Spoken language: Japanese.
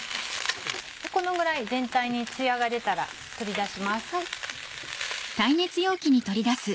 このぐらい全体につやが出たら取り出します。